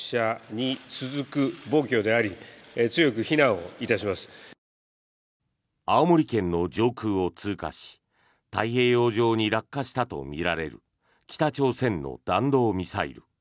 お申込みは青森県の上空を通過し太平洋上に落下したとみられる北朝鮮の弾道ミサイル。